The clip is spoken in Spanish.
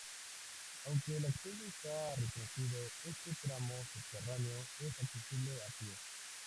Aunque el acceso está restringido, este tramo subterráneo es accesible a pie.